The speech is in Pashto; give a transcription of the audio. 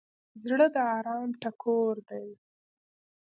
زړه د ارام ټکور دی.